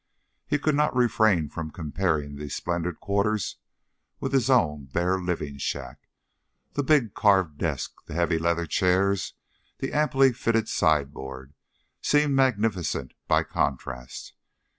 He could not refrain from comparing these splendid quarters with his own bare living shack. The big carved desk, the heavy leather chairs, the amply fitted sideboard, seemed magnificent by contrast.